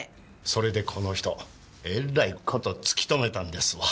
それでこの人えらい事突き止めたんですわ。